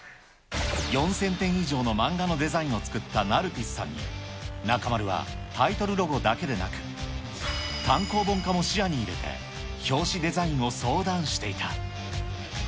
４０００点以上の漫画のデザインを作ったナルティスさんに、中丸はタイトルロゴだけでなく、単行本化も視野に入れて、表紙デザインを相談していた。